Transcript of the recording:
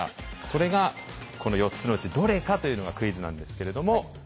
それがこの４つのうちどれかというのがクイズなんですけれども。